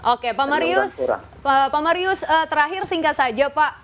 oke pak marius terakhir singkat saja pak